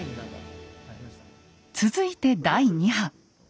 続いて第２波。